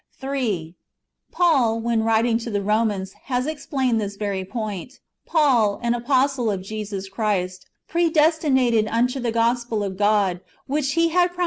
3. Paul, when w riting to the Eomans, has explained this very point :" Paul, an apostle of Jesus Christ, predestinated unto the gospel of God, which He had promised by His pro ^ Matt.